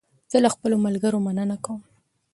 زه له خپلو ملګرو مننه کوم.